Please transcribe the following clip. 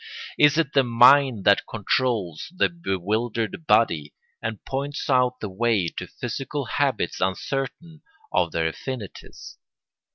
Is it the mind that controls the bewildered body and points out the way to physical habits uncertain of their affinities?